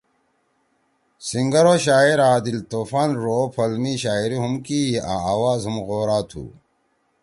سینگر او شاعر عادل طوفان ڙو او پھل می شاعری ہُم کیِئی آں آواز ہُم غورا تُھو۔